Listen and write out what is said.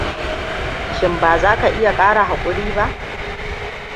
Shin baza ka iya kara hakuri ba?